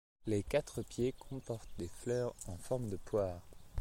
Les quatre pieds comportent des fleurs en forme de poire.